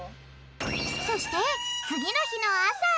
そしてつぎのひのあさ。